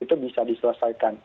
itu bisa diselesaikan